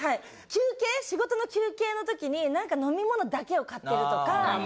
休憩仕事の休憩の時に何か飲み物だけを買ってるとか。